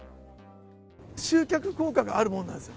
集客効果があるものなんです。